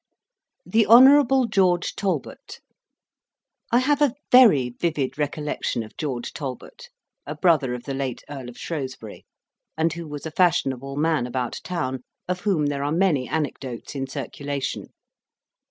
THE HONOURABLE GEORGE TALBOT I have a very vivid recollection of George Talbot, a brother of the late Earl of Shrewsbury, and who was a fashionable man about town, of whom there are many anecdotes in circulation.